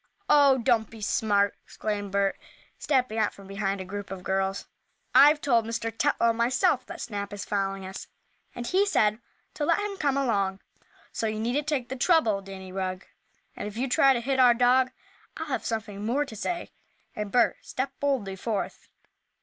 "Oh, don't be so smart!" exclaimed Bert, stepping out from behind a group of girls. "I've told Mr. Tetlow myself that Snap is following us, and he said to let him come along. So you needn't take the trouble, Danny Rugg. And if you try to hit our dog I'll have something more to say," and Bert stepped boldly forth.